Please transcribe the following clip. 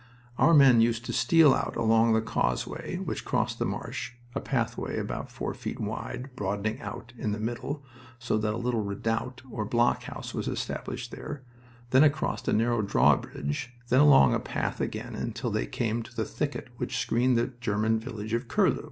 Our men used to steal out along the causeway which crossed the marsh a pathway about four feet wide, broadening out in the middle, so that a little redoubt or blockhouse was established there, then across a narrow drawbridge, then along the path again until they came to the thicket which screened the German village of Curlu.